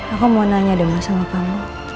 aku mau nanya deh mas sama kamu